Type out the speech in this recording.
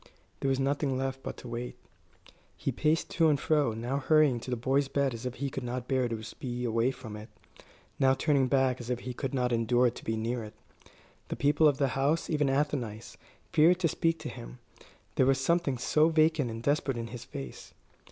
There was nothing left but to wait. He paced to and fro, now hurrying to the boy's bed as if he could not bear to be away from it, now turning back as if he could not endure to be near it. The people of the house, even Athenais, feared to speak to him, there was something so vacant and desperate in his face.